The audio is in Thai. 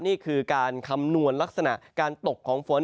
นี่คือการคำนวณลักษณะการตกของฝน